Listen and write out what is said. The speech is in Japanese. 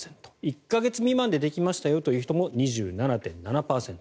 １か月未満でできましたよという人も２７．７％。